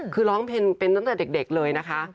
คือร้องเพลงเป็นตั้งแต่เด็กเลยนะคะ